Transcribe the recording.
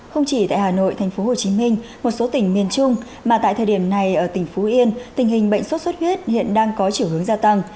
không chỉ tại hà nội thành phố hồ chí minh một số tỉnh miền trung mà tại thời điểm này ở tỉnh phú yên tình hình bệnh sốt xuất huyết hiện đang có chiều hướng gia tăng